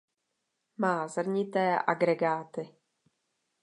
Má zrnité agregáty.